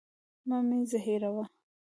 مه مي زهيروه.